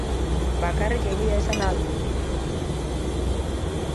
Bakarrik egia ezan ahal du.